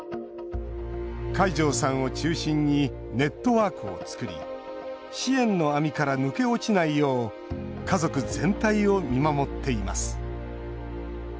海上さんを中心にネットワークを作り支援の網から抜け落ちないよう家族全体を見守っています